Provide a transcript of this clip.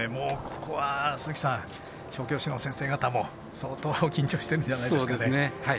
ここは調教師の先生たちも相当緊張してるんじゃないですか。